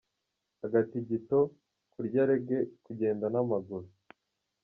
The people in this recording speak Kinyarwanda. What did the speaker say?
Agatigito, Kurya Reggae : Kugenda n’amaguru.